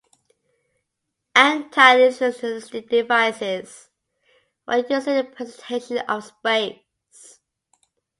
Anti-illusionistic devices were used in the representation of space.